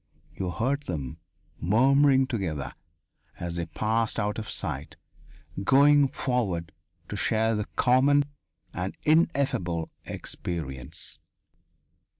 You heard them, murmuring together, as they passed out of sight, going forward to share the common and ineffable experience.